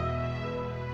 jadinya langsung awal itu ya